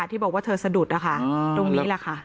ใช่ที่บอกว่าเธอสะดุดตรงนี้แหละค่ะ